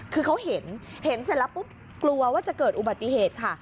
คือเขาเห็นเห็นเสร็จแล้วปุ๊บกลัวว่าจะเกิดอุบัติเหตุค่ะ